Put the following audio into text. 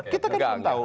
kita kan belum tahu